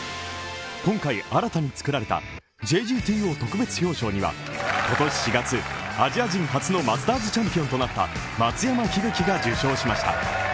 今回新たに作られたＪＧＴＯ特別表彰には今年４月、アジア人初のマスターズチャンピオンとなった松山英樹が受賞しました。